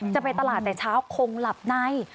จะไปตลาดแต่เช้าคงหลับใน